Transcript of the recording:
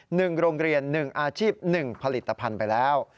หนึ่งโรงเรียนหนึ่งอาชีพหนึ่งผลิตภัณฑ์ไปแล้ว